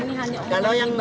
ini hanya umum umum